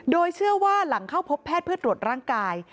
โดยเชื่อว่าหลังเข้าพบแพทย์เพื่อตรวจร่างกาย